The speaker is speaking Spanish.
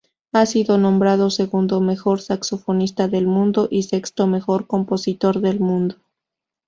Ha sido nombrado segundo mejor saxofonista del mundo y sexto mejor compositor del mundo.